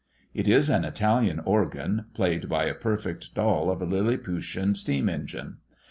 It is an Italian organ, played by a perfect doll of a Lilliputian steam engine.